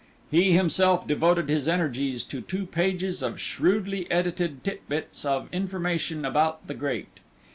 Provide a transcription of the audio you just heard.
He himself devoted his energies to two pages of shrewdly edited tit bits of information about the great.